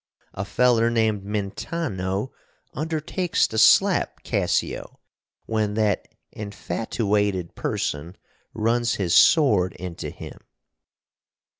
A feller named Mentano undertakes to slap Cassio, when that infatooated person runs his sword into him.